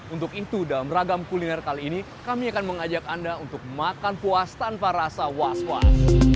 untuk itu dalam ragam kuliner kali ini kami akan mengajak anda untuk makan puas tanpa rasa was was